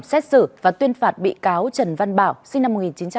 xét xử và tuyên phạt bị cáo trần văn bảo sinh năm một nghìn chín trăm chín mươi sáu